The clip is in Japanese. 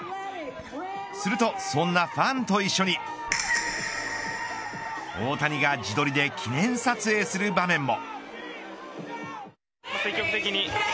すると、そんなファンと一緒に大谷が自撮りで記念撮影する場面も。